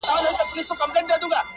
• ژونده راسه څو د میني ترانې سه..